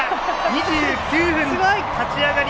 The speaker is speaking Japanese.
２９分、立ち上がり